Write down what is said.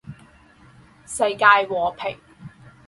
世界和平